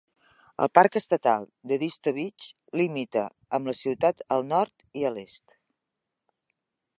El parc estatal d'Edisto Beach limita amb la ciutat al nord i a l'est.